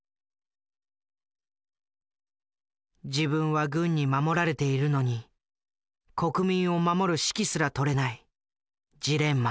自分は軍に守られているのに国民を守る指揮すら執れないジレンマ。